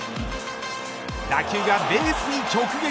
打球がベースに直撃。